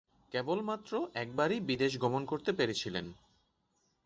কেবলমাত্র একবারই বিদেশ গমন করতে পেরেছিলেন।